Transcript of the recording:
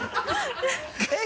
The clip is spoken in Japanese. えっ？